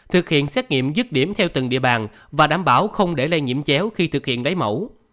thực hiện xét nghiệm dứt điểm theo từng địa bàn và đảm bảo không để lây nhiễm chéo khi thực hiện lấy mẫu